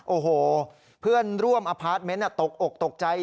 โอ้โหเพื่อนร่วมอพาร์ทเมนต์ตกอกตกใจ